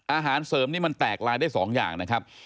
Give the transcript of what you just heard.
อาหารเสริมนี่มันแตกลายได้๒อย่างนะครับ